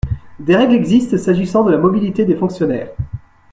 Des règles existent s’agissant de la mobilité des fonctionnaires.